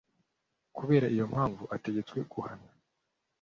kubera iyo mpamvu ategetswe guhana